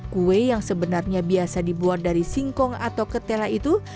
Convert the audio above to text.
kue yang sebenarnya biasa dibuat dari singkong atau ketela itu